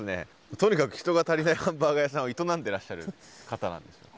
とにかく人が足りないハンバーガー屋さんを営んでらっしゃる方なんですね。